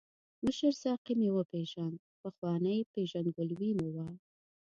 مشر ساقي مې وپیژاند، پخوانۍ پېژندګلوي مو وه.